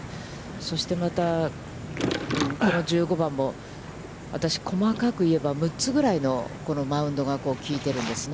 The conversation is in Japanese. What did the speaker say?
そして、また、この１５番も、私、細かく言えば、６つぐらいのマウンドがきいてるんですね。